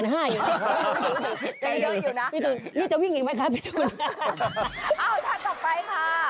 เอ้าแถมต่อไปค่ะ